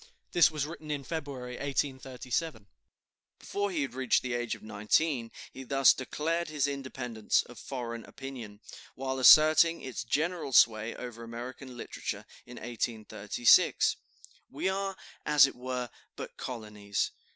(This was written in February, 1837.) Before he had reached the age of nineteen he thus declared his independence of foreign opinion, while asserting its general sway over American literature, in 1836: "We are, as it were, but colonies.